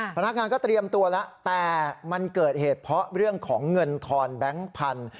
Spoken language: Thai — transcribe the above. พนักงานก็เตรียมตัวแล้วแต่มันเกิดเหตุเพราะเรื่องของเงินทอนแบงค์พันธุ์